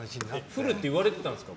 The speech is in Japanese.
降るって言われてたんですか